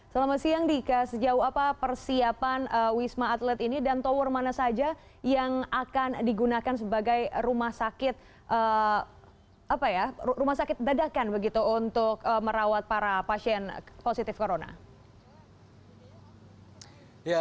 selamat siang dika sejauh apa persiapan wisma atlet ini dan tower mana saja yang akan digunakan sebagai rumah sakit rumah sakit dadakan begitu untuk merawat para pasien positif corona